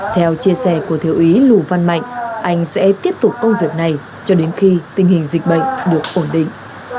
theo chia sẻ của thiếu úy lù văn mạnh anh sẽ tiếp tục công việc này cho đến khi tình hình dịch bệnh được ổn định